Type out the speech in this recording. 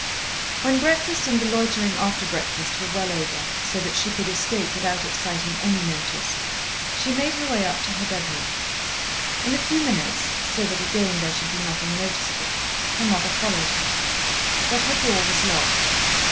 When breakfast and the loitering after breakfast were well over, so that she could escape without exciting any notice, she made her way up to her bedroom. In a few minutes, so that again there should be nothing noticeable, her mother followed her. But her door was locked.